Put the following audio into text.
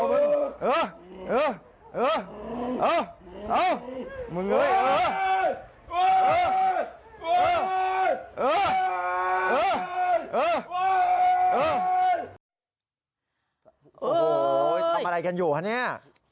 โอ้โฮทำอะไรกันอยู่แล้วนี่